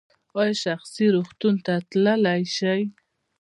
ایا شخصي روغتون ته تللی شئ؟